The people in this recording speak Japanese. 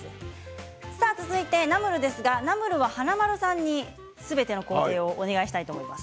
続いてナムルですがナムルは華丸さんにすべての工程をお願いしたいと思います。